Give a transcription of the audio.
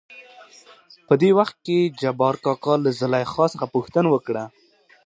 .په دې وخت کې جبارکاکا له زليخا څخه پوښتنه وکړ.